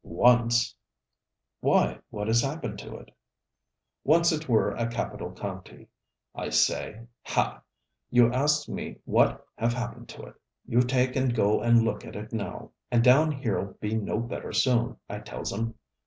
'Once!' 'Why, what has happened to it?' 'Once it were a capital county, I say. Hah! you asks me what have happened to it. You take and go and look at it now. And down heer'll be no better soon, I tells 'em.